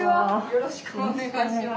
よろしくお願いします。